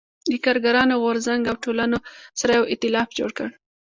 د کارګرانو غو رځنګ او ټولنو سره یو اېتلاف جوړ کړ.